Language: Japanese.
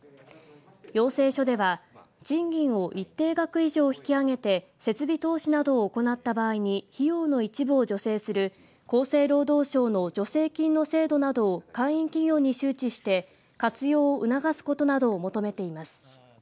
要請書では賃金を一定額以上引き上げて設備投資などを行った場合に費用の一部を助成する厚生労働省の助成金の制度などを会員企業に周知して活用を促すことなどを求めています。